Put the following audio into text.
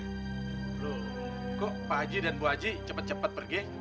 bro kok pak haji dan bu haji cepet cepet pergi